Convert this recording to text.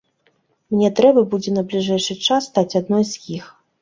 Мне трэба будзе на бліжэйшы час стаць адной з іх!